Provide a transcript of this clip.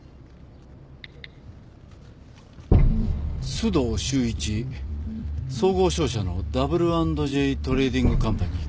「須藤修一」総合商社のＷ＆Ｊトレーディングカンパニー勤務。